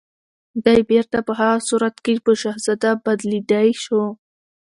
دی بيرته په هغه صورت کې په شهزاده بدليدای شو